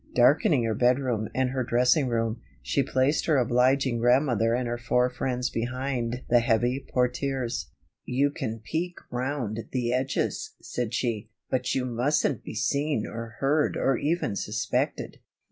Darkening her bedroom and her dressing room, she placed her obliging grandmother and her four friends behind the heavy portières. "You can peek round the edges," said she, "but you mustn't be seen or heard or even suspected."